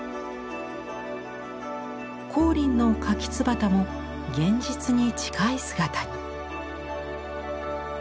光琳のかきつばたも現実に近い姿に。